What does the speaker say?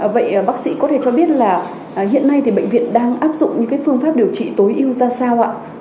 vậy bác sĩ có thể cho biết là hiện nay thì bệnh viện đang áp dụng những phương pháp điều trị tối ưu ra sao ạ